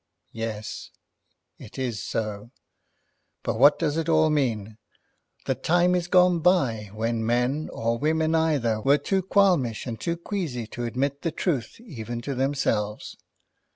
"Yes, it is so. But what does it all mean? The time is gone by when men, or women either, were too qualmish and too queasy to admit the truth even to themselves.